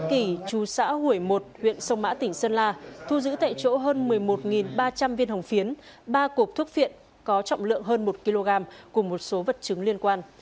kỳ chú xã hủy một huyện sông mã tỉnh sơn la thu giữ tại chỗ hơn một mươi một ba trăm linh viên hồng phiến ba cột thuốc phiện có trọng lượng hơn một kg cùng một số vật chứng liên quan